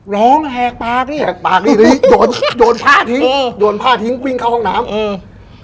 ร้องแหกปากแหกปากโยนโยนผ้าทิ้งโยนผ้าทิ้งวิ่งเข้าห้องน้ำเออ